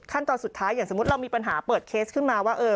ตอนสุดท้ายอย่างสมมุติเรามีปัญหาเปิดเคสขึ้นมาว่า